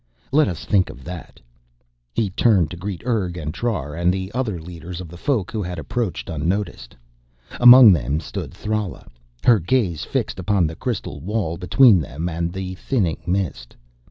Let us think of that...." He turned to greet Urg and Trar and the other leaders of the Folk, who had approached unnoticed. Among them stood Thrala, her gaze fixed upon the crystal wall between them and the thinning Mist.